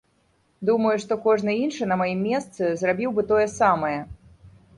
Думаю, што кожны іншы на маім месцы зрабіў бы тое самае.